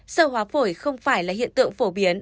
sơ hóa phổi không phải là hiện tượng phổ biến